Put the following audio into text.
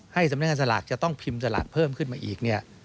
ให้สำเร็จของขนสลากจะต้องที่มสลากเพิ่มขึ้นมาอีก